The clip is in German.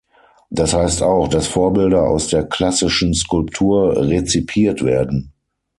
Das heißt auch, dass Vorbilder aus der klassischen Skulptur rezipiert werden.